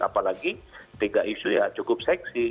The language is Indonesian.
apalagi tiga isu ya cukup seksi